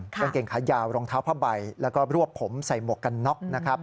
กางเกงขายาวรองเท้าผ้าใบแล้วก็รวบผมใส่หมวกกันน็อกนะครับ